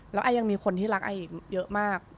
แล้วไอยังมีคนที่รักไออีกเยอะมาก